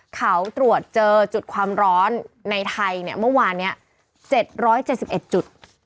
เขาตรวจเจอจุดความร้อนในไทยเนี่ยเมื่อวานนี้๗๗๑จุด